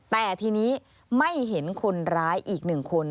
แต่ทีนี้ไม่เห็นคนร้ายอีกหนึ่งคน